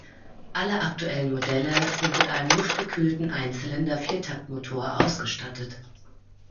Alle aktuellen Modelle sind mit einem luftgekühlten Einzylinder-Viertaktmotor ausgestattet.